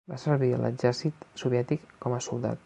Va servir a l'exèrcit soviètic com a soldat.